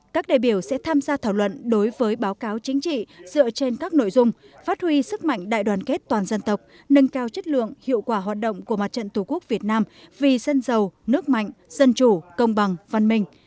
các đại biểu sẽ tham gia thảo luận đối với báo cáo chính trị dựa trên các nội dung phát huy sức mạnh đại đoàn kết toàn dân tộc nâng cao chất lượng hiệu quả hoạt động của mặt trận tổ quốc việt nam vì dân giàu nước mạnh dân chủ công bằng văn minh